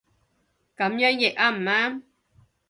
噉樣譯啱唔啱